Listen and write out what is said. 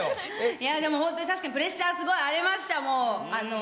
いや、でも本当に確かにプレッシャー、すごいありました、もう。